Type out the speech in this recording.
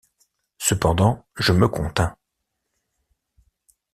Cependant je me contins.